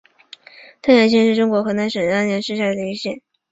汤阴县是中国河南省安阳市下属的一个县。